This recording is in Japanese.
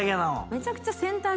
めちゃくちゃ。